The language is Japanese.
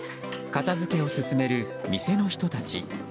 片付けを進める店の人たち。